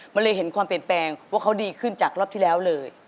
มันเลยเห็นความเปลี่ยนแปลงว่าเขาดีขึ้นจากรอบที่แล้วเลย